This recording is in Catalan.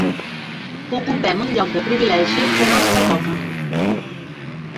Ocupem un lloc de privilegi que no ens pertoca.